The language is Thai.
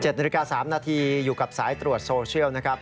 นาฬิกา๓นาทีอยู่กับสายตรวจโซเชียลนะครับ